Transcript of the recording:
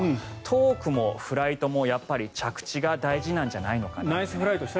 トークもフライトもやっぱり着地が大事なんじゃないかなと。